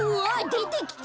でてきた。